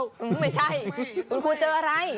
ไม่ใช่คุณครูเจออะไร